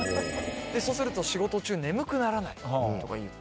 そうすると仕事中眠くならないとか言ってて。